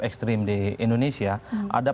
ekstrim di indonesia ada